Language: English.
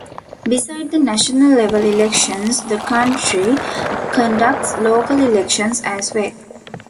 Beside the national level elections the country conducts local elections as well.